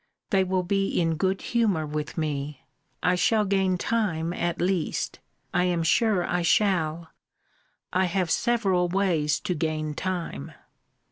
They will be in good humour with me. I shall gain time at least. I am sure I shall. I have several ways to gain time.